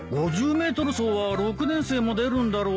５０ｍ走は６年生も出るんだろう？